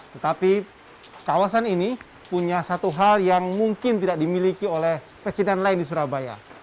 tetapi kawasan ini punya satu hal yang mungkin tidak dimiliki oleh pecintaan lain di surabaya